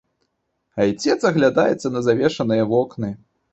Айцец аглядаецца на завешаныя вокны.